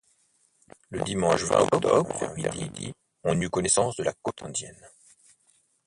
Le dimanche vingt octobre, vers midi, on eut connaissance de la côte indienne.